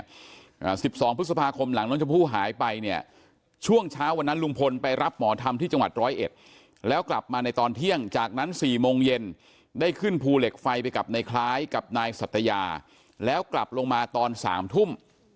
อ่าสิบสองพฤษภาคมหลังน้องชมพู่หายไปเนี่ยช่วงเช้าวันนั้นลุงพลไปรับหมอธรรมที่จังหวัดร้อยเอ็ดแล้วกลับมาในตอนเที่ยงจากนั้นสี่โมงเย็นได้ขึ้นภูเหล็กไฟไปกับในคล้ายกับนายสัตยาแล้วกลับลงมาตอนสามทุ่ม